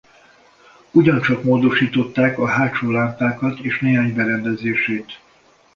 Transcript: Ugyancsak módosították a hátsó lámpákat és néhány berendezését.